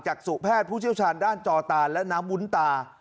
สู่แพทย์ผู้เชี่ยวชาญด้านจอตานและน้ำวุ้นตา